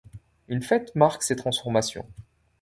Une fête marque ces transformations.